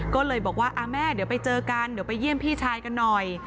ก็เลยบอกว่าแม่เดี๋ยวไปเจอกันเดี๋ยวไปเยี่ยมพี่ชายกันหน่อย